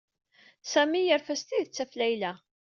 Sami yerfa s tidet ɣef Layla.